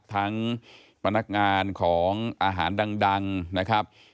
ทั้งพนักงานของอาหารดังนะครับ